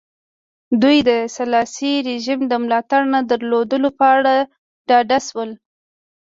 دوی د سلاسي رژیم د ملاتړ نه درلودلو په اړه ډاډه شول.